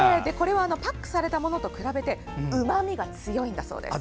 パックされたものと比べてうまみが強いんだそうです。